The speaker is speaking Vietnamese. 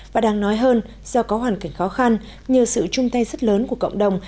và đang nói hơn do có hoàn cảnh khó khăn nhiều sự trung tay sức lớn của cộng đồng